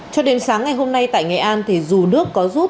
cho đến sáng ngày hôm nay tại nghệ an thì dù nước có rút